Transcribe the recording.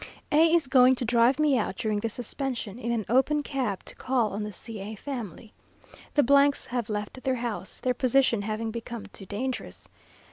A is going to drive me out during this suspension, in an open cab, to call on the C a family. The s have left their house, their position having become too dangerous.